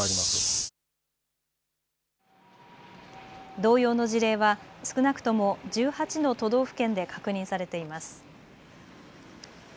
同様の事例は少なくとも１８の都道府県で確認されています。